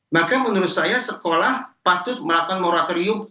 maka menurut saya sekolah patut melakukan moratorium